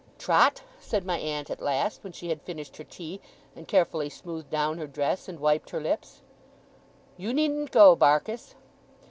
'Trot,' said my aunt at last, when she had finished her tea, and carefully smoothed down her dress, and wiped her lips 'you needn't go, Barkis!